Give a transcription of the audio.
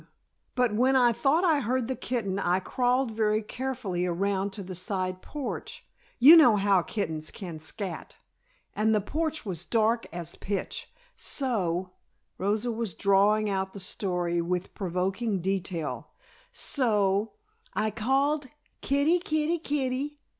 But when I thought I heard the kitten I crawled very carefully around to the side porch. You know how kittens can scat. And the porch was dark as pitch, so," Rosa was drawing out the story with provoking detail, "so, I called kitty, kitty, kitty!